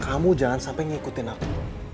kamu jangan sampai ngikutin aku